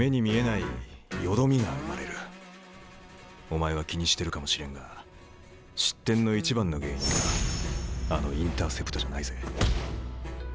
お前は気にしてるかもしれんが失点の一番の原因はあのインターセプトじゃないぜ。